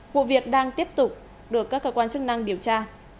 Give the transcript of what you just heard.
vụ việc đang tiếp tục được các cơ quan chức năng điều tra